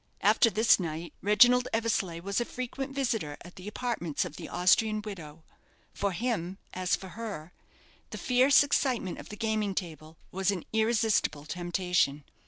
After this night, Reginald Eversleigh was a frequent visitor at the apartments of the Austrian widow. For him, as for her, the fierce excitement of the gaming table was an irresistible temptation.